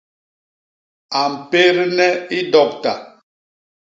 A mpédne i dokta.